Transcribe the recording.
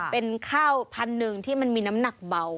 เป็นข้าวพันธุ์หนึ่งที่มันมีน้ำหนักเบา